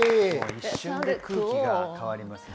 一瞬で空気が変わりますね。